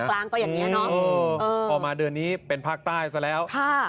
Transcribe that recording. ภาคกลางก็อย่างเงี้ยเนอะเออเออเออออกมาเดือนนี้เป็นภาคใต้ซะแล้วค่ะ